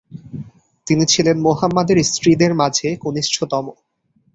তিনি ছিলেন মুহাম্মাদের স্ত্রীদের মাঝে কনিষ্ঠতম।